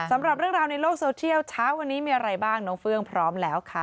สำหรับเรื่องราวในโลกโซเทียลเช้าวันนี้มีอะไรบ้างน้องเฟื่องพร้อมแล้วค่ะ